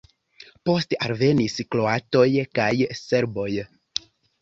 Poste alvenis kroatoj kaj serboj.